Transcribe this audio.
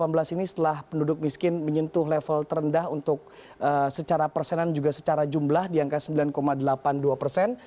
dan di tahun dua ribu delapan belas ini setelah penduduk miskin menyentuh level terendah untuk secara persenan juga secara jumlah di angka sembilan delapan puluh dua persen